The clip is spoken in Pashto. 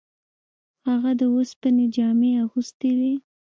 هغه د اوسپنې جامې اغوستې وې.